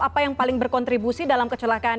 apa yang paling berkontribusi dalam kecelakaan